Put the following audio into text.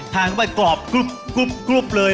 ทานเข้าไปกรอบกรุ๊บเลย